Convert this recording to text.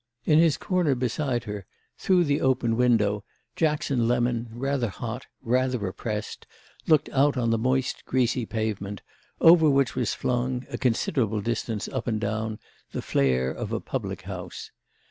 In his corner beside her, through the open window, Jackson Lemon, rather hot, rather oppressed, looked out on the moist greasy pavement, over which was flung, a considerable distance up and down, the flare of a public house.